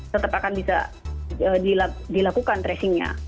tetap akan bisa dilakukan tracingnya